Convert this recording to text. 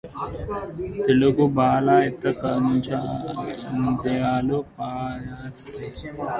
తెలుగుబాల! శతకంజంధ్యాల పాపయ్య శాస్త్రి